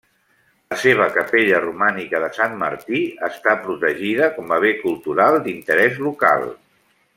La seva capella romànica de Sant Martí està protegida com a bé cultural d'interès local.